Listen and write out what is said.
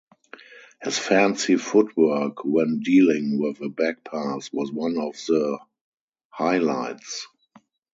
His fancy footwork when dealing with a backpass was one of the highlights.